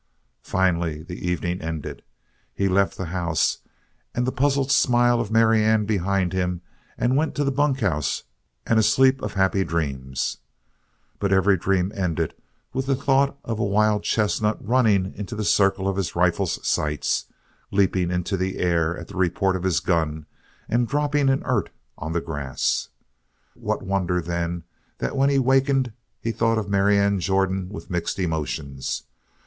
Finally, the evening ended. He left the house and the puzzled smile of Marianne behind him and went to the bunkhouse and a sleep of happy dreams. But every dream ended with the thought of a wild chestnut running into the circle of his rifle's sights, leaping into the air at the report of his gun, and dropping inert on the grass. What wonder, then, that when he wakened he thought of Marianne Jordan with mixed emotions?